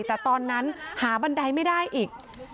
แต่ตอนนั้นหาบันไดไม่ได้อีก